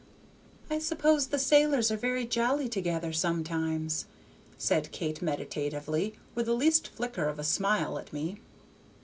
"I suppose the sailors are very jolly together sometimes," said Kate, meditatively, with the least flicker of a smile at me.